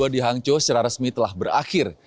dua ribu dua puluh dua di hangco secara resmi telah berakhir